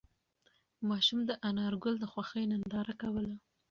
ماشوم د انارګل د خوښۍ ننداره کوله.